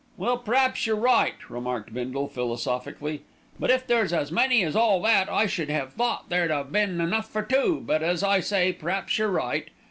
"Well, p'raps you're right," remarked Bindle philosophically, "but if there's as many as all that, I should 'ave thought there'd 'ave been enough for two; but as I say, p'raps you're right.